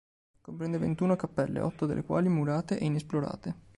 Comprende ventuno cappelle, otto delle quali murate e inesplorate.